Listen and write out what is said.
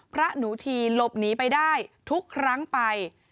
พระหนูทีหลบหนีไปได้ทุกครั้งไป